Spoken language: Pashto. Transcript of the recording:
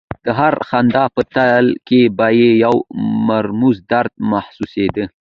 د هرې خندا په تل کې به یې یو مرموز درد محسوسېده